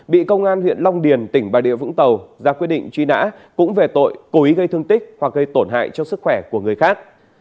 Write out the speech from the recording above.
bị công an huyện long điền tỉnh bà rịa vũng tàu ra quyết định truy nã cũng về tội cố ý gây thương tích hoặc gây tổn hại cho sức khỏe của người khác